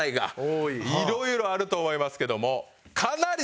色々あると思いますけども。